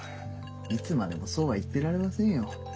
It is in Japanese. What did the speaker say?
いつまでもそうは言ってられませんよ。